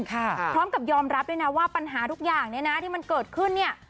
พร้อมกับยอมรับด้วยนะว่าปัญหาทุกอย่างเนี่ยนะที่มันเกิดขึ้นเนี่ย